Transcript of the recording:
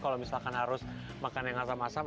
kalau misalkan harus makan yang asam asam